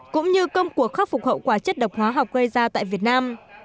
cũng như công cuộc khắc phục hậu quả chất độc hóa học gây ra tại việt nam